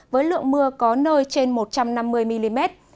với lượng mưa có nơi trên một trăm năm mươi mm